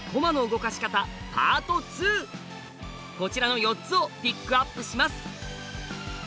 こちらの４つをピックアップします！